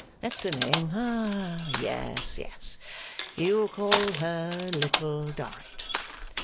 That's the name. Ah, yes, yes! You call her Little Dorrit?